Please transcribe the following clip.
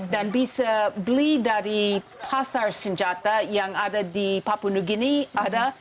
dan bisa beli dari pasar senjata yang ada di papua new guinea